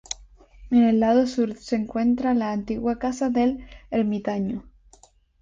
En el lado sur se encuentra la antigua casa del ermitaño.